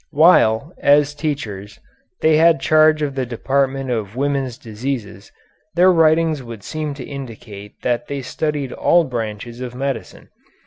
While, as teachers, they had charge of the department of women's diseases, their writings would seem to indicate that they studied all branches of medicine.